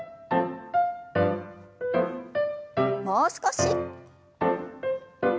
もう少し。